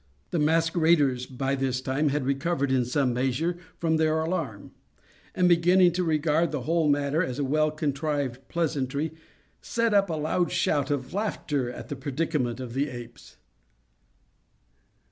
The masqueraders, by this time, had recovered, in some measure, from their alarm; and, beginning to regard the whole matter as a well contrived pleasantry, set up a loud shout of laughter at the predicament of the apes.